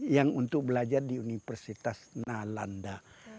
yang untuk belajar di universitas nalanda